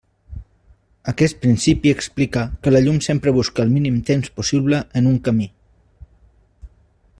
Aquest principi explica que la llum sempre busca el mínim temps possible en un camí.